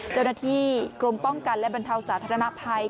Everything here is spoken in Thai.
เจ้าหน้าที่กรมป้องกันและบรรเทาสาธารณภัย